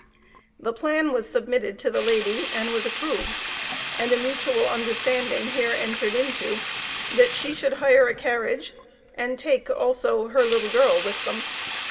The plan was submitted to the lady, and was approved, and a mutual understanding here entered into, that she should hire a carriage, and take also her little girl with them.